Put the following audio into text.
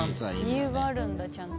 理由があるんだちゃんと。